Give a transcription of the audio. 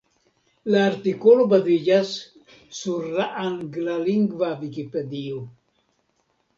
La artikolo baziĝis sur la anglalingva Vikipedio.